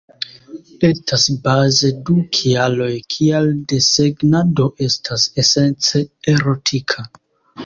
Estas baze du kialoj, kial desegnado estas esence erotika.